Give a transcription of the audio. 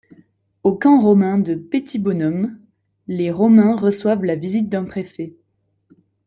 Au camp romain de Petibonum, les Romains reçoivent la visite d'un préfet.